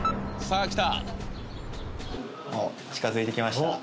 あっ近づいてきました